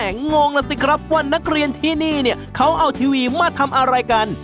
แต่งงล่ะสิครับว่านักเรียนที่นี่เนี่ยเขาเอาทีวีมาทำอะไรกัน